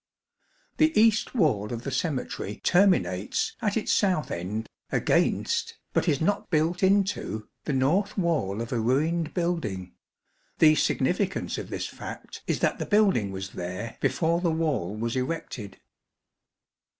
The east wall of the Cemetery terminates at its south end against, but is not built into, the north wall of a ruined building ; the significance of this fact is that the building was there before the wall was erected.